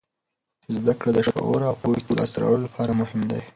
زده کړه د شعور او پوهاوي د لاسته راوړلو لپاره مهم دی.